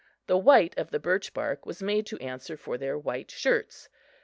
The white of the birch bark was made to answer for their white shirts.